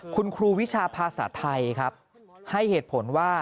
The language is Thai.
คุณครูวิชาภาษาไทยครับให้เหตุผลว่า